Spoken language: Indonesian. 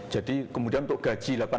jadi kemudian untuk gaji